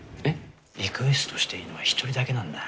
リクエストしていいのは１人だけなんだよ。